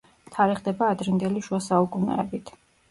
თარიღდება ადრინდელი შუა საუკუნეებით.